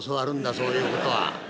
そういうことは？」。